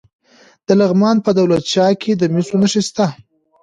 د لغمان په دولت شاه کې د مسو نښې شته.